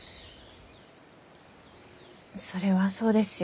それはそうですよ。